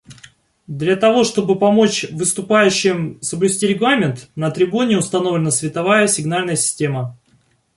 Для того чтобы помочь выступающим соблюсти регламент, на трибуне установлена световая сигнальная система.